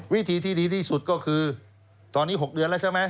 วิธีที่ดีที่สุดก็คือตอนนี้๖เดือนแล้วใช่ไหม